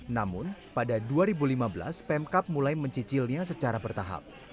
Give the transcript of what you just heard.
namun pada dua ribu lima belas pemkap mulai mencicilnya secara bertahap